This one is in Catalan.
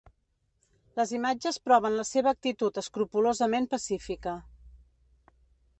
Les imatges proven la seva actitud escrupolosament pacífica.